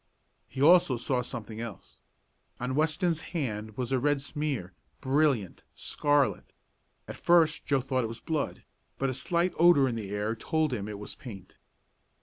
He also saw something else. On Weston's hand was a red smear brilliant scarlet. At first Joe thought it was blood, but a slight odor in the air told him it was paint.